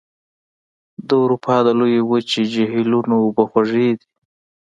د اروپا د لویې وچې جهیلونو اوبه خوږې دي.